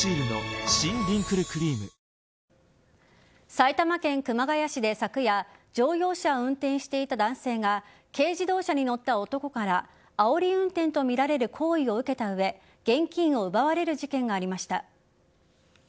埼玉県熊谷市で昨夜乗用車を運転していた男性が軽自動車に乗った男からあおり運転とみられる行為を受けた上で現金を奪われる事件がありました。